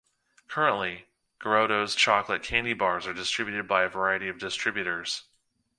Currently, Garoto's chocolate candy bars are distributed by a variety of distributors.